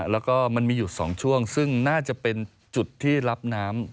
แล้วก็มันมีอยู่๒ช่วงซึ่งน่าจะเป็นจุดที่รับน้ำ